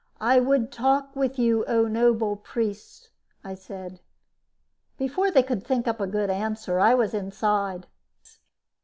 "I would talk with you, O noble priests," I said. Before they could think up a good answer, I was inside.